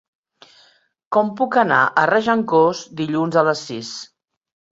Com puc anar a Regencós dilluns a les sis?